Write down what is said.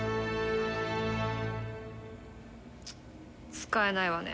使えないわね。